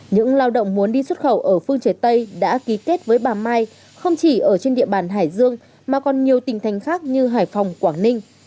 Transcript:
những lao động muốn đi xuất khẩu ở phương chế tây đã ký kết với bà mai không chỉ ở trên địa bàn hải dương mà còn nhiều tỉnh thành khác như hải phòng quảng ninh